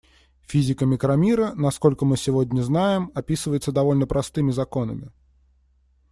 Физика микромира, насколько мы сегодня знаем, описывается довольно простыми законами.